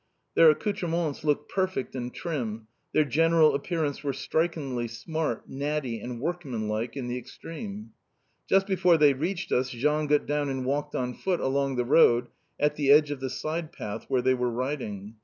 Their accoutrements looked perfect and trim, their general appearance was strikingly smart, natty, and workmanlike in the extreme. Just before they reached us Jean got down and walked on foot along the road at the edge of the side path where they were riding.